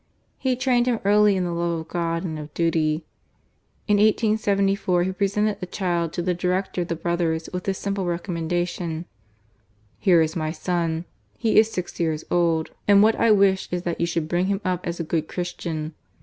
He trained him early in the love of God and of duty. In 1874, he presented the child to the director of the Brothers with this simple recommendation: Here is my son. He is six years old, and what I wish is, that you should bring him up as a good Christian.